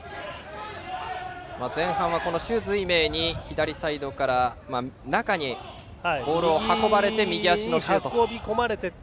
前半は朱瑞銘に左サイドから中にボールを運ばれて右足のシュートと。